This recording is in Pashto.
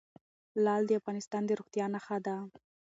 لعل د افغانستان د زرغونتیا نښه ده.